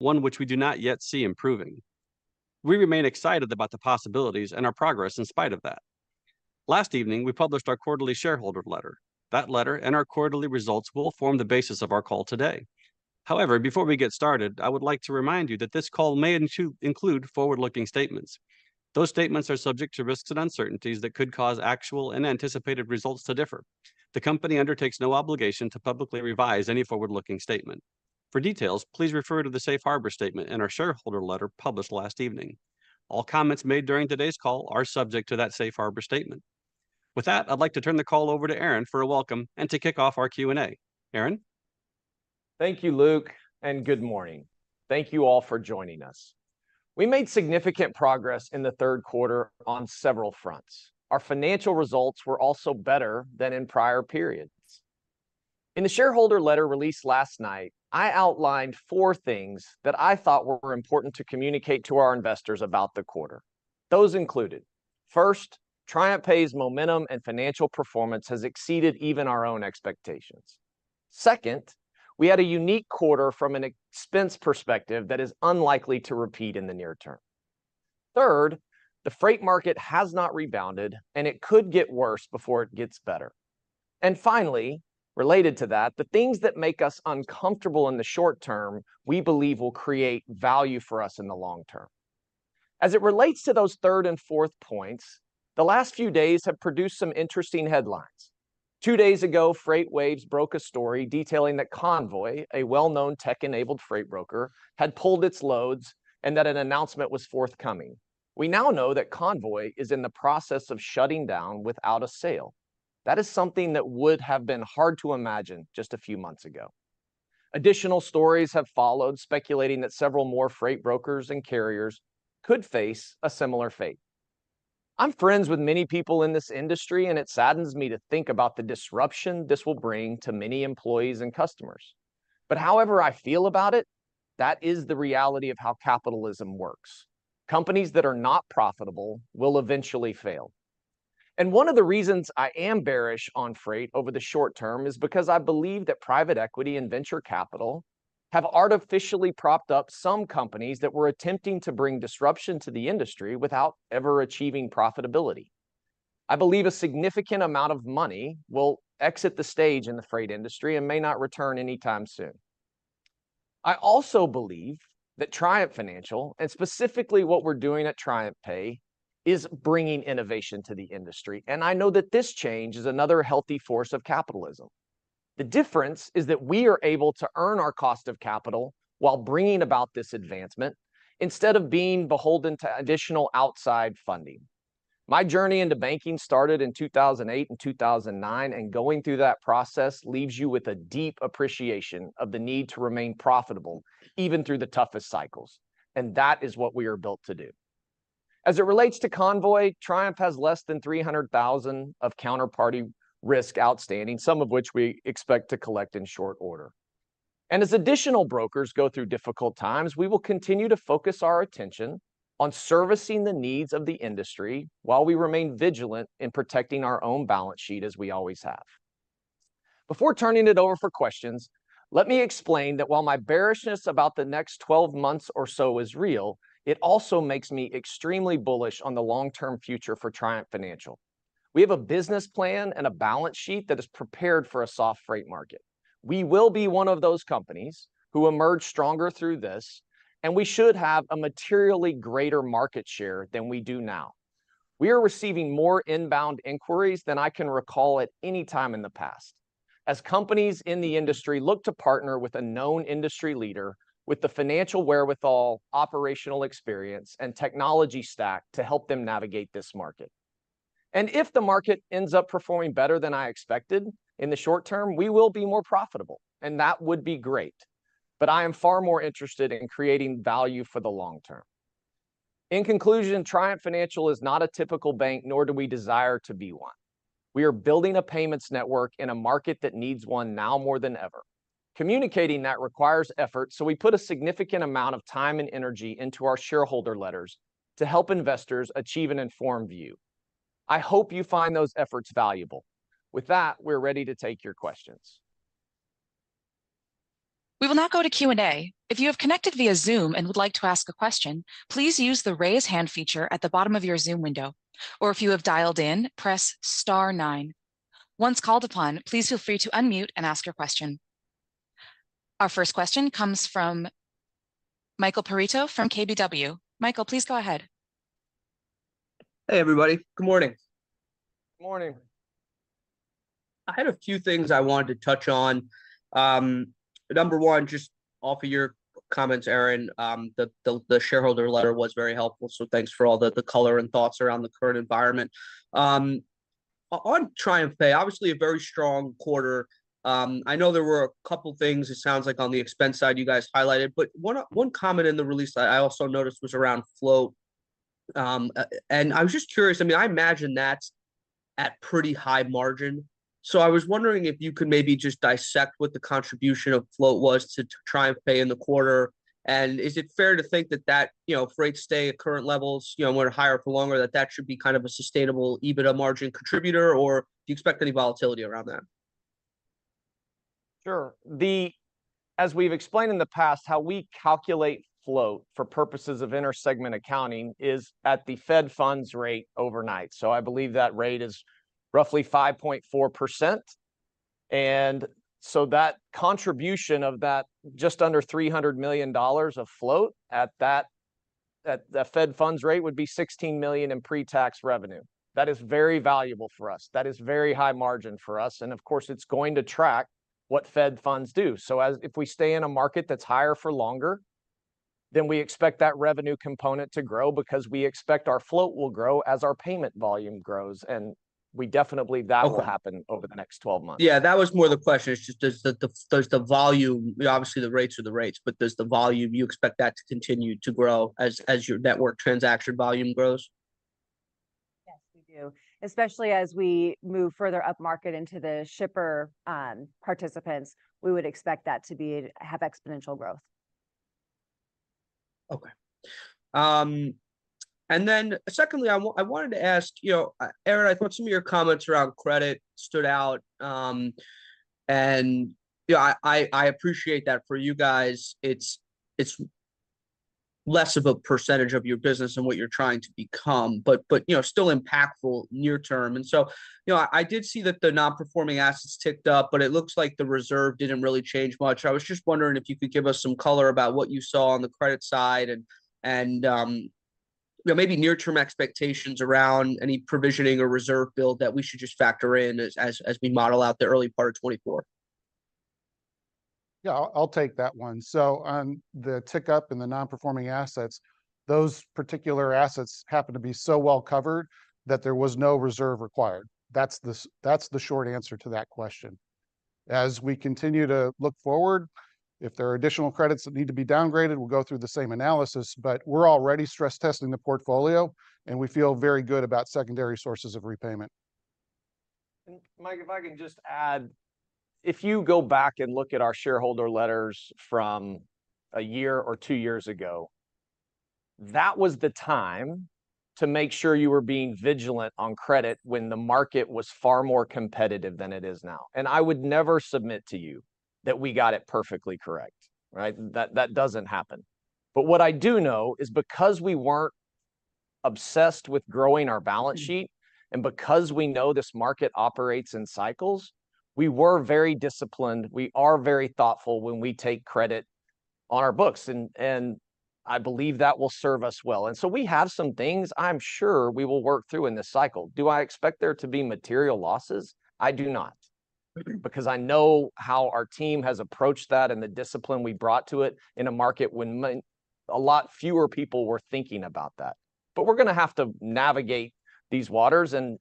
one which we do not yet see improving. We remain excited about the possibilities and our progress in spite of that. Last evening, we published our quarterly shareholder letter. That letter and our quarterly results will form the basis of our call today. However, before we get started, I would like to remind you that this call may include forward-looking statements. Those statements are subject to risks and uncertainties that could cause actual and anticipated results to differ. The company undertakes no obligation to publicly revise any forward-looking statement. For details, please refer to the safe harbor statement in our shareholder letter published last evening. All comments made during today's call are subject to that safe harbor statement. With that, I'd like to turn the call over to Aaron for a welcome and to kick off our Q&A. Aaron? Thank you, Luke, and good morning. Thank you all for joining us. We made significant progress in the Q3 on several fronts. Our financial results were also better than in prior periods. In the shareholder letter released last night, I outlined four things that I thought were important to communicate to our investors about the quarter. Those included, first, TriumphPay's momentum and financial performance has exceeded even our own expectations. Second, we had a unique quarter from an expense perspective that is unlikely to repeat in the near term. Third, the freight market has not rebounded, and it could get worse before it gets better. Finally, related to that, the things that make us uncomfortable in the short term, we believe will create value for us in the long term. As it relates to those third and fourth points, the last few days have produced some interesting headlines. Two days ago, FreightWaves broke a story detailing that Convoy, a well-known tech-enabled freight broker, had pulled its loads and that an announcement was forthcoming. We now know that Convoy is in the process of shutting down without a sale. That is something that would have been hard to imagine just a few months ago. Additional stories have followed, speculating that several more freight brokers and carriers could face a similar fate. I'm friends with many people in this industry, and it saddens me to think about the disruption this will bring to many employees and customers. However I feel about it, that is the reality of how capitalism works. Companies that are not profitable will eventually fail. One of the reasons I am bearish on freight over the short term is because I believe that private equity and venture capital have artificially propped up some companies that were attempting to bring disruption to the industry without ever achieving profitability. I believe a significant amount of money will exit the stage in the freight industry and may not return anytime soon. I also believe that Triumph Financial, and specifically what we're doing at TriumphPay, is bringing innovation to the industry, and I know that this change is another healthy force of capitalism. The difference is that we are able to earn our cost of capital while bringing about this advancement, instead of being beholden to additional outside funding. My journey into banking started in 2008 and 2009, and going through that process leaves you with a deep appreciation of the need to remain profitable, even through the toughest cycles, and that is what we are built to do. As it relates to Convoy, Triumph has less than $300,000 of counterparty risk outstanding, some of which we expect to collect in short order. As additional brokers go through difficult times, we will continue to focus our attention on servicing the needs of the industry while we remain vigilant in protecting our own balance sheet, as we always have. Before turning it over for questions, let me explain that while my bearishness about the next 12 months or so is real, it also makes me extremely bullish on the long-term future for Triumph Financial. We have a business plan and a balance sheet that is prepared for a soft freight market. We will be one of those companies who emerge stronger through this, and we should have a materially greater market share than we do now. We are receiving more inbound inquiries than I can recall at any time in the past, as companies in the industry look to partner with a known industry leader with the financial wherewithal, operational experience, and technology stack to help them navigate this market. If the market ends up performing better than I expected in the short term, we will be more profitable, and that would be great, but I am far more interested in creating value for the long term. In conclusion, Triumph Financial is not a typical bank, nor do we desire to be one. We are building a payments network in a market that needs one now more than ever. Communicating that requires effort, so we put a significant amount of time and energy into our shareholder letters to help investors achieve an informed view. I hope you find those efforts valuable. With that, we're ready to take your questions. We will now go to Q&A. If you have connected via Zoom and would like to ask a question, please use the Raise Hand feature at the bottom of your Zoom window, or if you have dialed in, press star nine. Once called upon, please feel free to unmute and ask your question. Our first question comes from Michael Perito from KBW. Michael, please go ahead. Hey, everybody. Good morning. Good morning. I had a few things I wanted to touch on. Number one, just off of your comments, Aaron, the shareholder letter was very helpful, so thanks for all the color and thoughts around the current environment. On TriumphPay, obviously a very strong quarter. I know there were a couple things, it sounds like on the expense side you guys highlighted, but one comment in the release that I also noticed was around float. I was just curious, I imagine that's at pretty high margin. I was wondering if you could maybe just dissect what the contribution of float was to TriumphPay in the quarter, and is it fair to think that that, you know, if rates stay at current levels, you know, more higher for longer, that that should be kind of a sustainable EBITDA margin contributor, or do you expect any volatility around that? Sure. As we've explained in the past, how we calculate float for purposes of inter-segment accounting is at the Fed funds rate overnight. I believe that rate is roughly 5.4%, and so that contribution of that just under $300 million of float at the Fed funds rate would be $16 million in pre-tax revenue. That is very valuable for us. That is very high margin for us, and of course, it's going to track what Fed funds do. If we stay in a market that's higher for longer, then we expect that revenue component to grow because we expect our float will grow as our payment volume grows, and we definitely believe that Okay Will happen over the next 12 months. Yeah, that was more the question, is just, does the volume? Obviously, the rates are the rates, but does the volume, you expect that to continue to grow as your network transaction volume grows? Yes, we do. Especially as we move further upmarket into the shipper participants, we would expect that to have exponential growth. Okay. Secondly, I wanted to ask, you know, Aaron, I thought some of your comments around credit stood out. You know, I appreciate that for you guys, it's less of a percentage of your business and what you're trying to become, but, you know, still impactful near term. You know, I did see that the non-performing assets ticked up, but it looks like the reserve didn't really change much. I was just wondering if you could give us some color about what you saw on the credit side and, you know, maybe near-term expectations around any provisioning or reserve build that we should just factor in as we model out the early part of 2024. Yeah, I'll take that one. On the tick up in the non-performing assets, those particular assets happen to be so well-covered that there was no reserve required. That's the short answer to that question. As we continue to look forward, if there are additional credits that need to be downgraded, we'll go through the same analysis, but we're already stress testing the portfolio, and we feel very good about secondary sources of repayment. Mike, if I can just add, if you go back and look at our shareholder letters from a year or two years ago, that was the time to make sure you were being vigilant on credit when the market was far more competitive than it is now. I would never submit to you that we got it perfectly correct, right? That doesn't happen. What I do know is because we weren't obsessed with growing our balance sheet, and because we know this market operates in cycles, we were very disciplined. We are very thoughtful when we take credit on our books, and I believe that will serve us well. So we have some things I'm sure we will work through in this cycle. Do I expect there to be material losses? I do not, because I know how our team has approached that and the discipline we brought to it in a market when a lot fewer people were thinking about that. We're gonna have to navigate these waters, and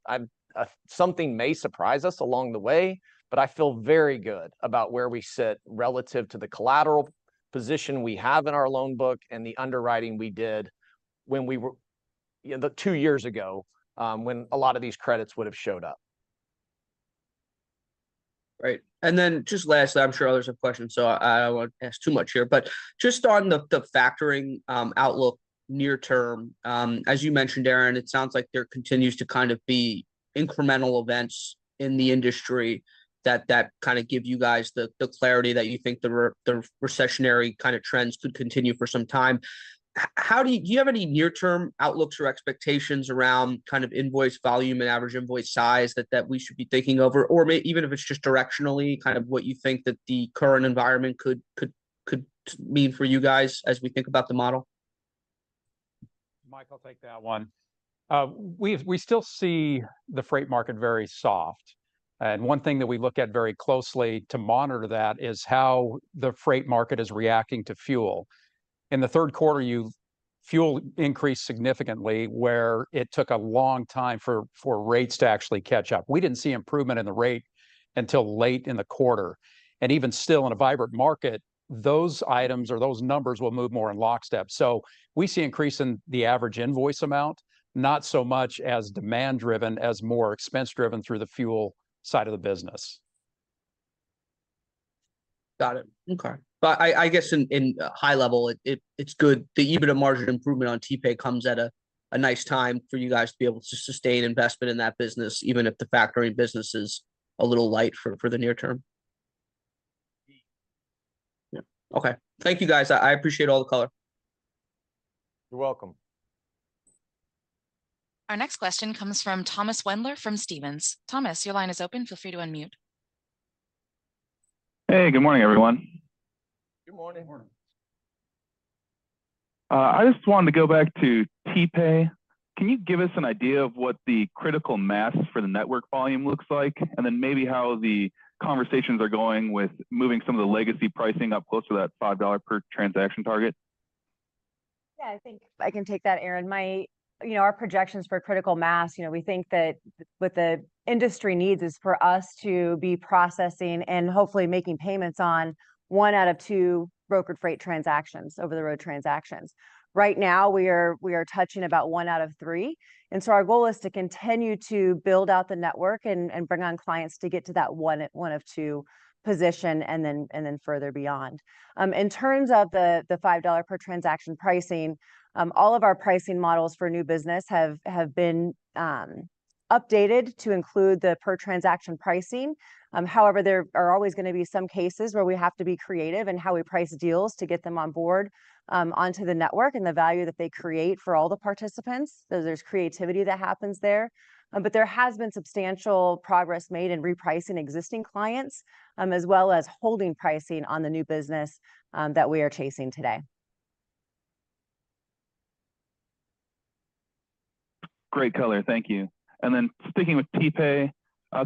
something may surprise us along the way, but I feel very good about where we sit relative to the collateral position we have in our loan book and the underwriting we did, you know, the two years ago when a lot of these credits would have showed up. Right. Just lastly, I'm sure there's a question, so I won't ask too much here. Just on the factoring outlook near term, as you mentioned, Aaron, it sounds like there continues to kind of be incremental events in the industry that kind of give you guys the clarity that you think the recessionary kind of trends could continue for some time. Do you have any near-term outlooks or expectations around kind of invoice volume and average invoice size that we should be thinking over? Even if it's just directionally, kind of what you think that the current environment could mean for you guys as we think about the model? Mike, I'll take that one. We still see the freight market very soft. One thing that we look at very closely to monitor that is how the freight market is reacting to fuel. In the Q3, fuel increased significantly, where it took a long time for rates to actually catch up. We didn't see improvement in the rate until late in the quarter. Even still, in a vibrant market, those items or those numbers will move more in lockstep. We see increase in the average invoice amount, not so much as demand-driven, as more expense-driven through the fuel side of the business. Got it. Okay. I guess in high level, it's good. The EBITDA margin improvement on TPay comes at a nice time for you guys to be able to sustain investment in that business, even if the factoring business is a little light for the near term. Okay. Thank you, guys. I appreciate all the color. You're welcome. Our next question comes from Thomas Wendler from Stephens. Thomas, your line is open. Feel free to unmute. Hey, good morning, everyone. Good morning. I just wanted to go back to TPay. Can you give us an idea of what the critical mass for the network volume looks like, and then maybe how the conversations are going with moving some of the legacy pricing up close to that $5 per transaction target? Yeah, I think I can take that, Aaron. You know, our projections for critical mass, you know, we think that what the industry needs is for us to be processing and hopefully making payments on one out of two brokered freight transactions, over-the-road transactions. Right now, we are touching about one out of three. So our goal is to continue to build out the network and bring on clients to get to that one of two position and then further beyond. In terms of the $5 per transaction pricing, all of our pricing models for new business have been updated to include the per transaction pricing. However, there are always going to be some cases where we have to be creative in how we price deals to get them on board onto the network and the value that they create for all the participants. There's creativity that happens there. But there has been substantial progress made in repricing existing clients as well as holding pricing on the new business that we are chasing today. Great color. Thank you. Sticking with TPay,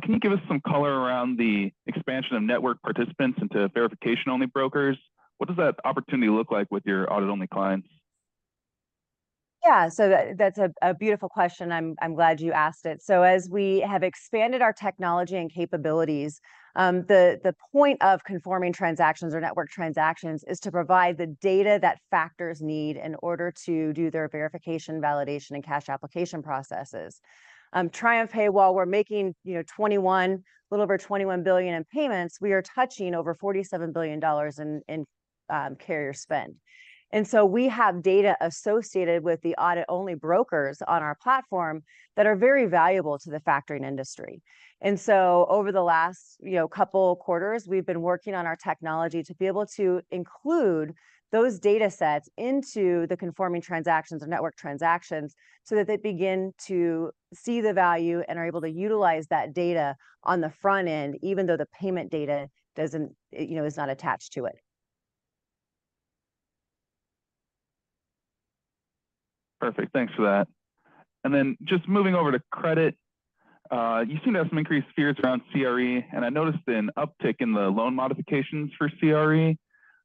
can you give us some color around the expansion of network participants into verification-only brokers? What does that opportunity look like with your audit-only clients? Yeah, that's a beautiful question. I'm glad you asked it. As we have expanded our technology and capabilities, the point of conforming transactions or network transactions is to provide the data that factors need in order to do their verification, validation, and cash application processes. TriumphPay, while we're making, you know, a little over $21 billion in payments, we are touching over $47 billion in carrier spend. We have data associated with the audit-only brokers on our platform that are very valuable to the factoring industry. Over the last, you know, couple quarters, we've been working on our technology to be able to include those data sets into the conforming transactions or network transactions, so that they begin to see the value and are able to utilize that data on the front end, even though the payment data, you know, is not attached to it. Perfect. Thanks for that. Just moving over to credit, you've seen there some increased fears around CRE, and I noticed an uptick in the loan modifications for CRE.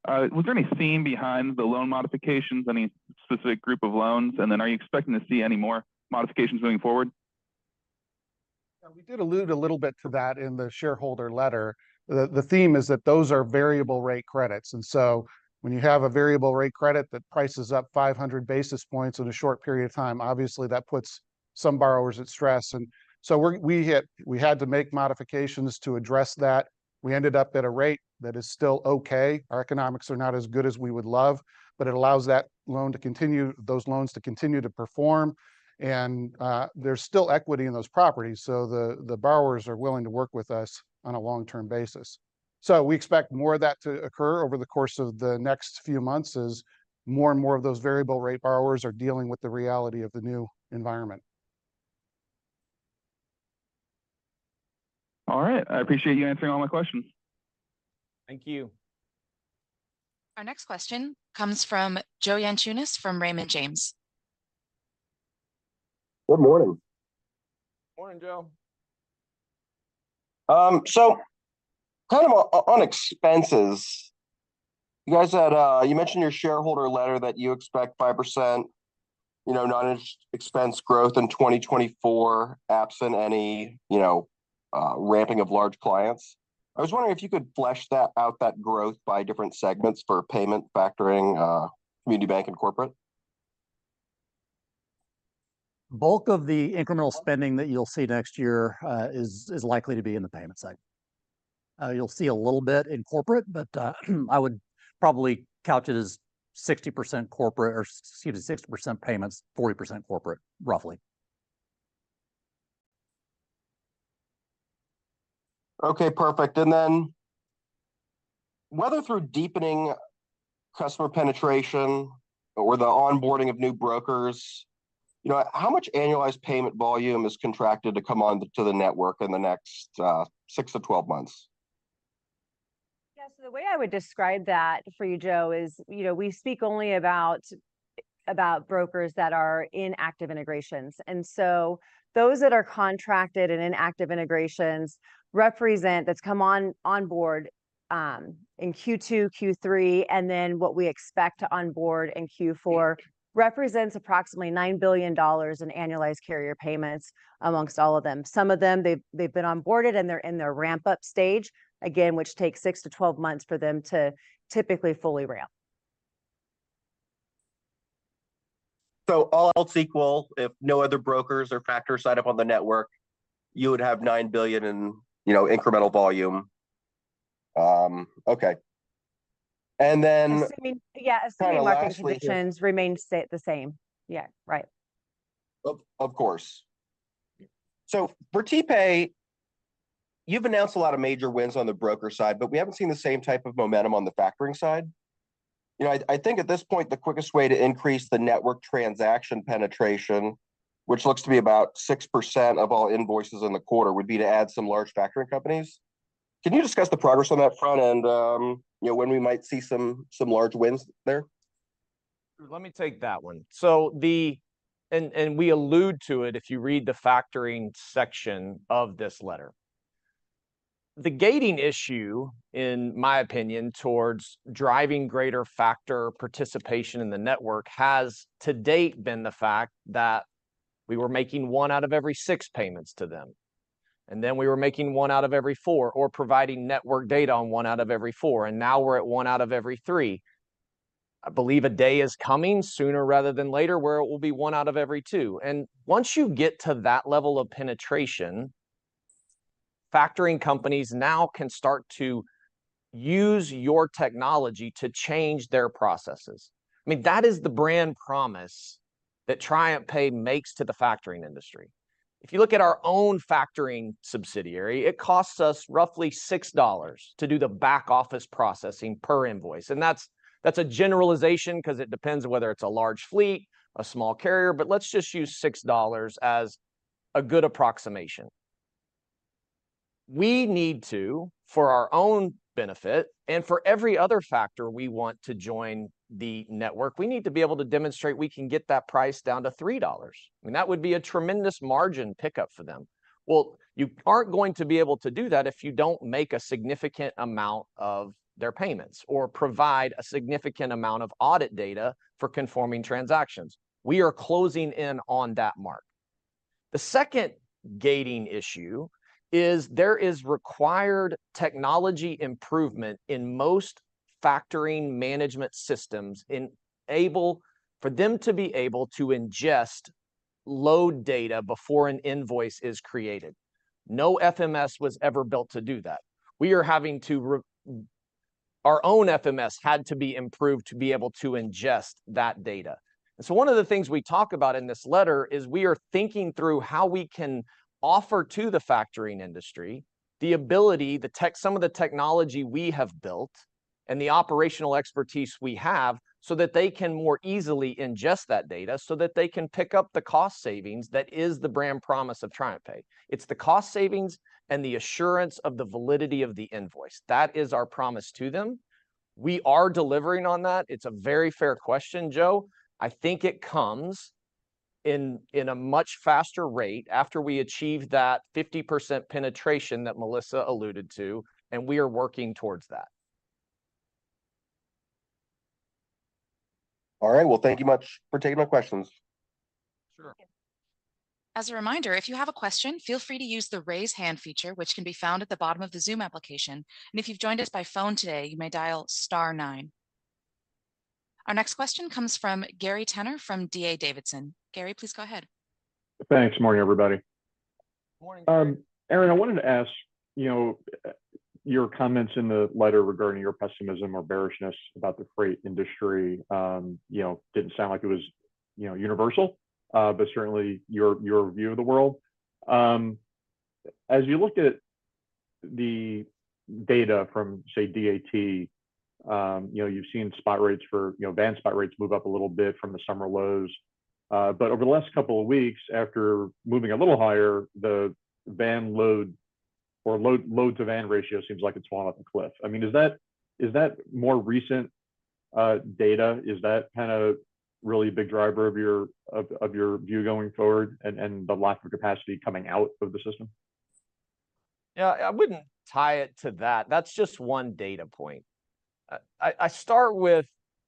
Was there any theme behind the loan modifications, any specific group of loans? Are you expecting to see any more modifications moving forward? Yeah, we did allude a little bit to that in the shareholder letter. The theme is that those are variable rate credits, and so when you have a variable rate credit that prices up 500 basis points in a short period of time, obviously that puts some borrowers at stress. We had to make modifications to address that. We ended up at a rate that is still okay. Our economics are not as good as we would love, but it allows those loans to continue to perform. There's still equity in those properties, so the borrowers are willing to work with us on a long-term basis. We expect more of that to occur over the course of the next few months, as more and more of those variable rate borrowers are dealing with the reality of the new environment. All right. I appreciate you answering all my questions. Thank you. Our next question comes from Joe Yanchunis from Raymond James. Good morning. Morning, Joe. Kind of on expenses, you mentioned in your shareholder letter that you expect 5%, you know, non-interest expense growth in 2024, absent any, you know, ramping of large clients. I was wondering if you could flesh that out, that growth by different segments for payment factoring, community bank and corporate? Bulk of the incremental spending that you'll see next year is likely to be in the payment side. You'll see a little bit in corporate, but I would probably couch it as 60% corporate, or excuse me, 60% payments, 40% corporate, roughly. Okay, perfect. Whether through deepening customer penetration or the onboarding of new brokers, you know, how much annualized payment volume is contracted to come onto the network in the next 6-12 months? Yeah, the way I would describe that for you, Joe, is, you know, we speak only about brokers that are in active integrations. Those that are contracted and in active integrations represent, that's come onboard in Q2, Q3, and then what we expect to onboard in Q4, represents approximately $9 billion in annualized carrier payments amongst all of them. Some of them, they've been onboarded, and they're in their ramp-up stage, again, which takes 6-12 months for them to typically fully ramp. All else equal, if no other brokers or factors sign up on the network, you would have $9 billion in, you know, incremental volume. Okay. And then- Assuming, Yeah- Lastly, just. Assuming market conditions remain the same. Yeah, right. Of course. For TPay, you've announced a lot of major wins on the broker side, but we haven't seen the same type of momentum on the factoring side. You know, I think at this point, the quickest way to increase the network transaction penetration, which looks to be about 6% of all invoices in the quarter, would be to add some large factoring companies. Can you discuss the progress on that front and, you know, when we might see some large wins there? Let me take that one. We allude to it if you read the factoring section of this letter. The gating issue, in my opinion, towards driving greater factor participation in the network has, to date, been the fact that we were making one out of every six payments to them, and then we were making one out of every four, or providing network data on one out of every four, and now we're at one out of every three. I believe a day is coming, sooner rather than later, where it will be one out of every two. Once you get to that level of penetration, factoring companies now can start to use your technology to change their processes. I mean, that is the brand promise that TriumphPay makes to the factoring industry. If you look at our own factoring subsidiary, it costs us roughly $6 to do the back-office processing per invoice, and that's a generalization because it depends on whether it's a large fleet, a small carrier, but let's just use $6 as a good approximation. We need to, for our own benefit and for every other factor we want to join the network, we need to be able to demonstrate we can get that price down to $3. I mean, that would be a tremendous margin pickup for them. Well, you aren't going to be able to do that if you don't make a significant amount of their payments or provide a significant amount of audit data for conforming transactions. We are closing in on that mark. The second gating issue is there is required technology improvement in most factoring management systems for them to be able to ingest load data before an invoice is created. No FMS was ever built to do that. Our own FMS had to be improved to be able to ingest that data. One of the things we talk about in this letter is we are thinking through how we can offer to the factoring industry the ability, some of the technology we have built and the operational expertise we have, so that they can more easily ingest that data, so that they can pick up the cost savings that is the brand promise of TriumphPay. It's the cost savings and the assurance of the validity of the invoice. That is our promise to them. We are delivering on that. It's a very fair question, Joe. I think it comes in a much faster rate after we achieve that 50% penetration that Melissa alluded to, and we are working towards that. All right. Well, thank you much for taking my questions. Sure. As a reminder, if you have a question, feel free to use the raise hand feature, which can be found at the bottom of the Zoom application. And if you've joined us by phone today, you may dial star, nine. Our next question comes from Gary Tenner from D.A. Davidson. Gary, please go ahead. Thanks. Thanks. Morning, everybody. Morning, Gary. Aaron, I wanted ask, you know, your comments in the letter regarding your pessimism or bearishness about the freight industry, you know, didn't sound like it was, you know, universal, but certainly your view of the world. As you looked at the data from, say, DAT, you know, you've seen spot rates for, you know, van spot rates move up a little bit from the summer lows. But over the last couple of weeks, after moving a little higher, the van load or load-to-van ratio seems like it's fallen a little bit. I mean, is that more recent data, is that kind of really big driver of your view going forward and the lack of capacity coming out of the system? Yeah, I wouldn't tie it to that. That's just one data point. I start with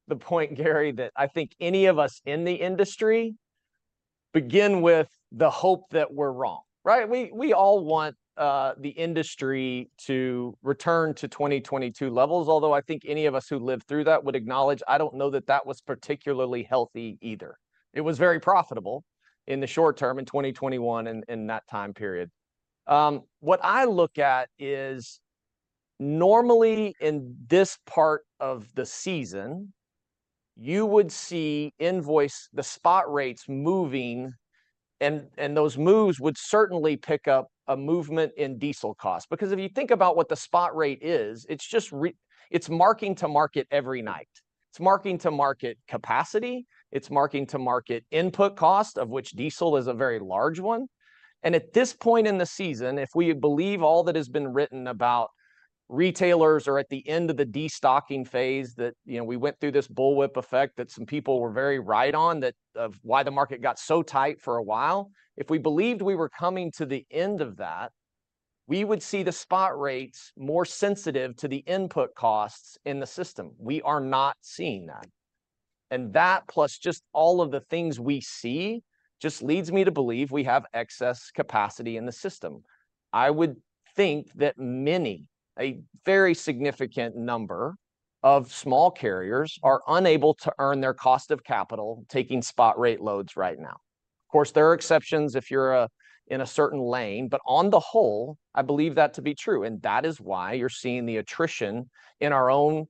the point, Gary, that I think any of us in the industry begin with the hope that we're wrong, right? We all want the industry to return to 2022 levels. Although, I think any of us who lived through that would acknowledge, I don't know that that was particularly healthy either. It was very profitable in the short term, in 2021 and in that time period. What I look at is, normally in this part of the season, you would see invoice, the spot rates moving, and those moves would certainly pick up a movement in diesel costs. Because if you think about what the spot rate is, it's just marking to market every night. It's marking to market capacity, it's marking to market input cost, of which diesel is a very large one. At this point in the season, if we believe all that has been written about retailers are at the end of the destocking phase, that, you know, we went through this bullwhip effect, that some people were very right on, that of why the market got so tight for a while. If we believed we were coming to the end of that, we would see the spot rates more sensitive to the input costs in the system. We are not seeing that. That plus just all of the things we see, just leads me to believe we have excess capacity in the system. I would think that many, a very significant number of small carriers are unable to earn their cost of capital, taking spot rate loads right now. Of course, there are exceptions if you're in a certain lane, but on the whole, I believe that to be true, and that is why you're seeing the attrition in our own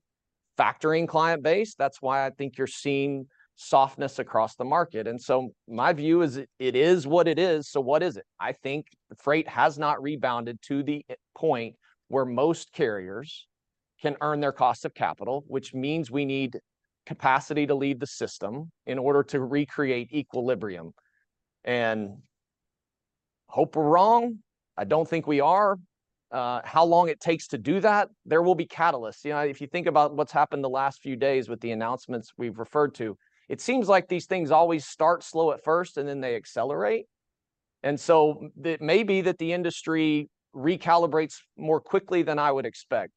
factoring client base. That's why I think you're seeing softness across the market. My view is, it is what it is. What is it? I think the freight has not rebounded to the point where most carriers can earn their cost of capital, which means we need capacity to leave the system in order to recreate equilibrium. Hope we're wrong. I don't think we are. How long it takes to do that? There will be catalysts. You know, if you think about what's happened in the last few days with the announcements we've referred to, it seems like these things always start slow at first, and then they accelerate. It may be that the industry recalibrates more quickly than I would expect.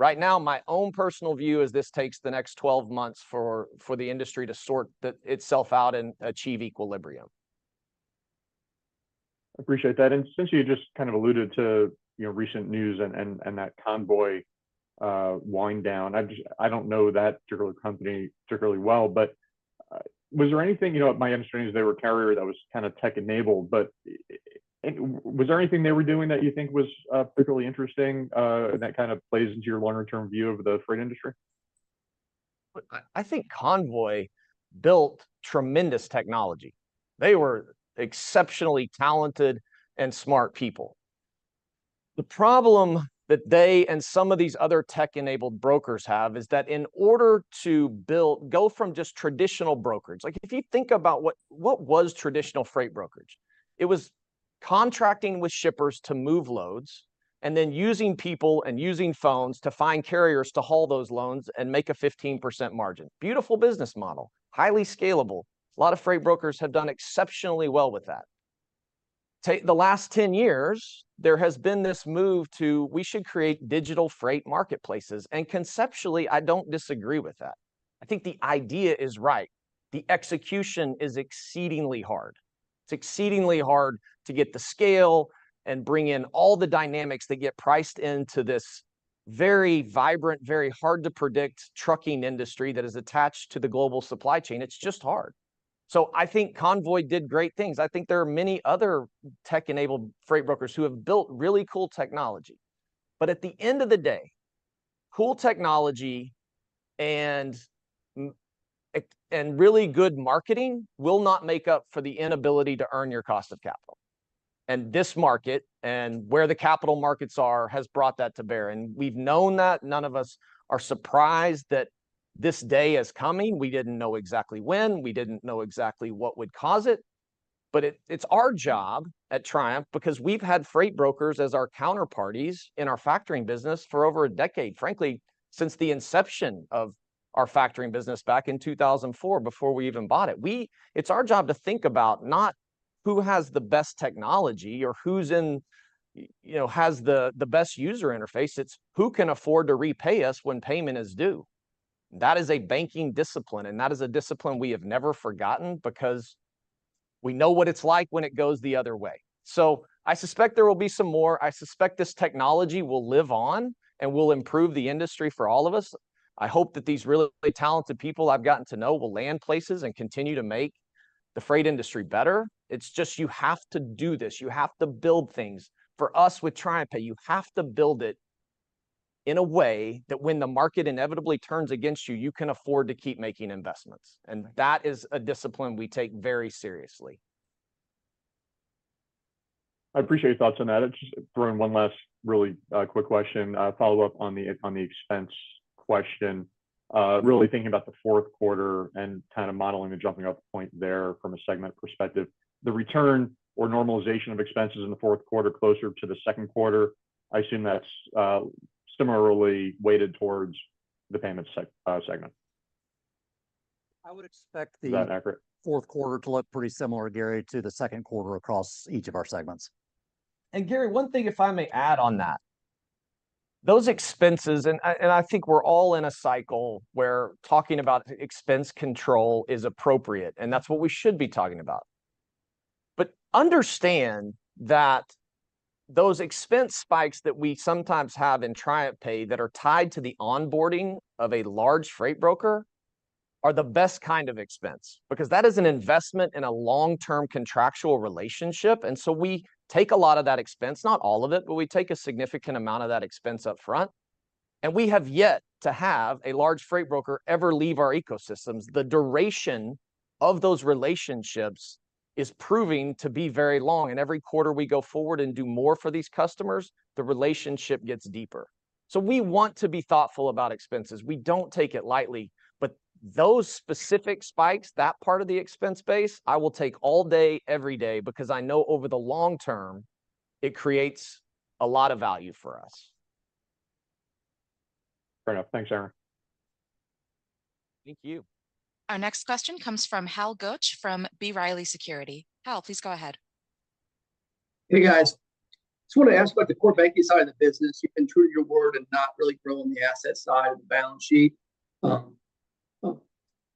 Right now, my own personal view is this takes the next 12 months for the industry to sort itself out and achieve equilibrium. Appreciate that. Since you just kind of alluded to, you know, recent news and that Convoy wind down, I don't know that particular company particularly well, but was there anything, you know, what my understanding is they were a carrier that was kind of tech-enabled, but was there anything they were doing that you think was particularly interesting and that kind of plays into your longer-term view of the freight industry? I think Convoy built tremendous technology. They were exceptionally talented and smart people. The problem that they and some of these other tech-enabled brokers have is that in order to go from just traditional brokerage. Like, if you think about what was traditional freight brokerage? It was contracting with shippers to move loads, and then using people and using phones to find carriers to haul those loads and make a 15% margin. Beautiful business model, highly scalable. A lot of freight brokers have done exceptionally well with that. Take the last 10 years, there has been this move to, "We should create digital freight marketplaces," and conceptually, I don't disagree with that. I think the idea is right. The execution is exceedingly hard. It's exceedingly hard to get the scale and bring in all the dynamics that get priced into this very vibrant, very hard-to-predict trucking industry that is attached to the global supply chain. It's just hard. I think Convoy did great things. I think there are many other tech-enabled freight brokers who have built really cool technology. At the end of the day, cool technology and really good marketing will not make up for the inability to earn your cost of capital. This market, and where the capital markets are, has brought that to bear, and we've known that. None of us are surprised that this day is coming. We didn't know exactly when. We didn't know exactly what would cause it. It's our job at Triumph, because we've had freight brokers as our counterparties in our factoring business for over a decade. Frankly, since the inception of our factoring business back in 2004, before we even bought it, it's our job to think about not who has the best technology or, you know, has the best user interface. It's who can afford to repay us when payment is due. That is a banking discipline, and that is a discipline we have never forgotten, because we know what it's like when it goes the other way. I suspect there will be some more. I suspect this technology will live on and will improve the industry for all of us. I hope that these really talented people I've gotten to know will land places and continue to make the freight industry better. It's just you have to do this. You have to build things. For us, with TriumphPay, you have to build it in a way that when the market inevitably turns against you, you can afford to keep making investments, and that is a discipline we take very seriously. I appreciate your thoughts on that. I'll just throw in one last really quick question, follow-up on the expense question. Really thinking about the Q4 and kind of modeling the jumping-off point there from a segment perspective, the return or normalization of expenses in the Q4 closer to the Q2, I assume that's similarly weighted towards the payments segment? I would expect the. Is that accurate? Q4 to look pretty similar, Gary, to the Q2 across each of our segments. Gary, one thing, if I may add on that. Those expenses, and I think we're all in a cycle where talking about expense control is appropriate, and that's what we should be talking about. Understand that those expense spikes that we sometimes have in TriumphPay that are tied to the onboarding of a large freight broker are the best kind of expense, because that is an investment in a long-term contractual relationship. We take a lot of that expense, not all of it, but we take a significant amount of that expense up front, and we have yet to have a large freight broker ever leave our ecosystems. The duration of those relationships is proving to be very long, and every quarter we go forward and do more for these customers, the relationship gets deeper. We want to be thoughtful about expenses. We don't take it lightly. Those specific spikes, that part of the expense base, I will take all day, every day, because I know over the long term, it creates a lot of value for us. Fair enough. Thanks, Aaron. Thank you. Our next question comes from Hal Goetsch from B. Riley Securities. Hal, please go ahead. Hey, guys. Just wanted to ask about the core banking side of the business. You've been true to your word in not really growing the asset side of the balance sheet.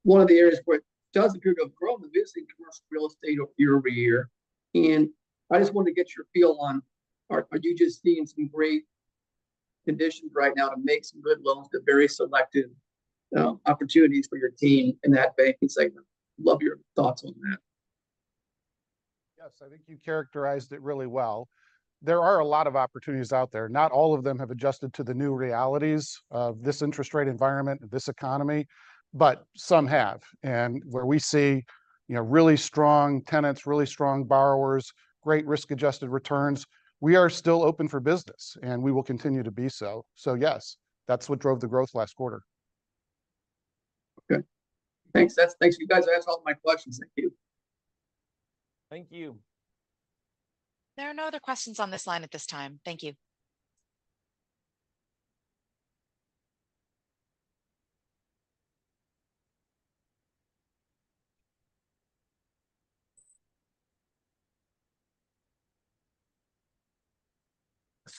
One of the areas where it does appear to have grown is the commercial real estate year-over-year, and I just wanted to get your feel on, are you just seeing some great conditions right now to make some good loans to very selective opportunities for your team in that banking segment? Love your thoughts on that. Yes, I think you characterized it really well. There are a lot of opportunities out there. Not all of them have adjusted to the new realities of this interest rate environment and this economy, but some have. Where we see, you know, really strong tenants, really strong borrowers, great risk-adjusted returns, we are still open for business, and we will continue to be so. Yes, that's what drove the growth last quarter. Okay. Thanks, you guys asked all my questions. Thank you. Thank you. There are no other questions on this line at this time. Thank you.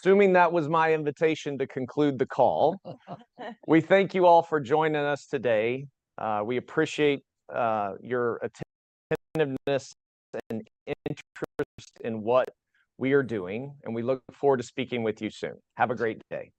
Assuming that was my invitation to conclude the call. We thank you all for joining us today. We appreciate your attentiveness and interest in what we are doing, and we look forward to speaking with you soon. Have a great day.